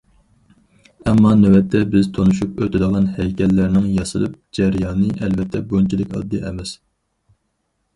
ئەمما نۆۋەتتە بىز تونۇشۇپ ئۆتىدىغان ھەيكەللەرنىڭ ياسىلىپ جەريانى ئەلۋەتتە بۇنچىلىك ئاددىي ئەمەس.